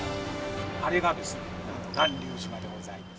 あれがですね巌流島でございます。